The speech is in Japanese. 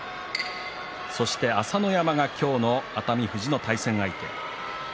そして朝乃山が今日の熱海富士の対戦相手。